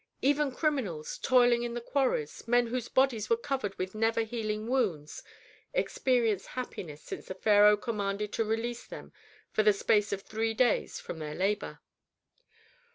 Even criminals, toiling in the quarries men whose bodies were covered with never healing wounds experienced happiness since the pharaoh commanded to release them for the space of three days from their labor.